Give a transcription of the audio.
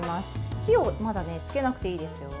火はまだつけなくていいですよ。